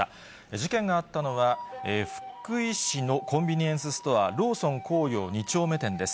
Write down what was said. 事件があったのは、福井市のコンビニエンスストア、ローソン光陽二丁目店です。